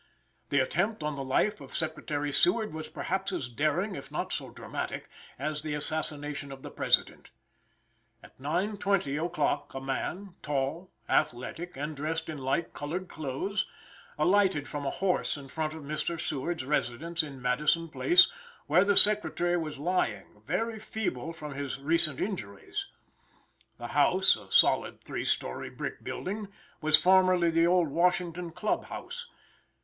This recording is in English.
The attempt on the life of Secretary Seward was perhaps as daring, if not so dramatic, as the assassination of the President. At 9:20 o'clock a man, tall, athletic, and dressed in light coloured clothes, alighted from a horse in front of Mr. Seward's residence in Madison place, where the secretary was lying, very feeble from his recent injuries. The house, a solid three story brick building, was formerly the old Washington Club house.